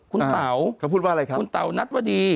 คุณเต๋าคุณเต๋านัทวดี